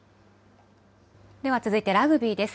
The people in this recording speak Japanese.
では続いてラグビーです。